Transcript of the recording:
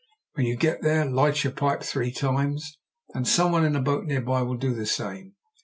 When you get there, light your pipe three times, and some one in a boat near by will do the same.